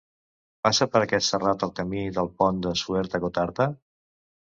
Passa per aquest serrat el camí del Pont de Suert a Gotarta.